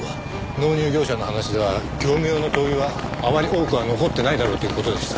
納入業者の話では業務用の灯油はあまり多くは残ってないだろうという事でした。